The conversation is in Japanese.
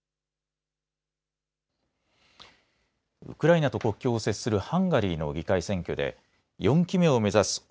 ウクライナと国境を接するハンガリーの議会選挙で４期目を目指す